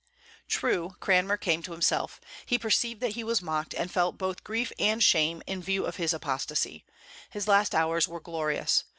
True, Cranmer came to himself; he perceived that he was mocked, and felt both grief and shame in view of his apostasy. His last hours were glorious.